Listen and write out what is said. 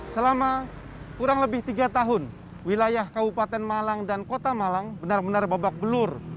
selama kurang lebih tiga tahun wilayah kabupaten malang dan kota malang benar benar babak belur